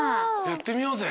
やってみようぜ！